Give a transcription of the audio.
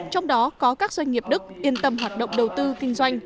trong đó có các doanh nghiệp đức yên tâm hoạt động đầu tư kinh doanh